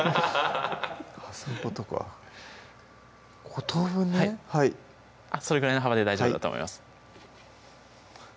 そういうことか５等分ねはいそれぐらいの幅で大丈夫だと思います